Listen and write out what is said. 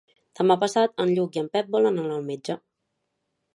Demà passat en Lluc i en Pep volen anar al metge.